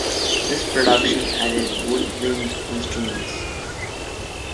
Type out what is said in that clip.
This production added woodwind instruments.